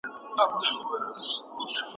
خيانت کوونکی چارواکی د ملت دښمن دی.